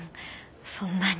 そんなに。